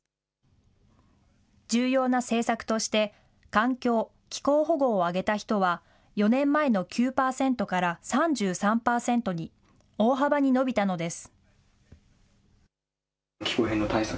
重要な政策として、環境・気候保護を上げた人は４年前の９％から３３％に、大幅に伸びたのです。